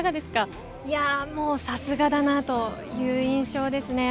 さすがだなという印象です。